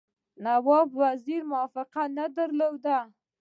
نواب وزیر موافقه نه درلوده.